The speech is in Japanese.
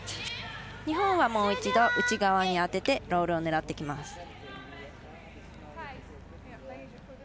日本はもう一度内側に当ててロールを狙ってきます。